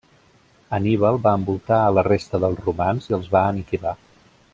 Anníbal va envoltar a la resta dels romans i els va aniquilar.